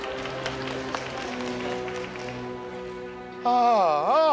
ああ。